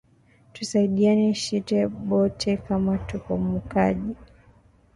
Tusaidiane shiye bote kama tuko mu kaji